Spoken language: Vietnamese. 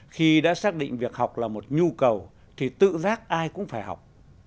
khi đã xác định việc học là một nhu cầu thì tự giác ai cũng phải học